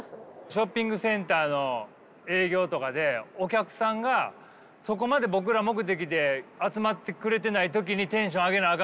ショッピングセンターの営業とかでお客さんがそこまで僕ら目的で集まってくれてない時にテンション上げなあ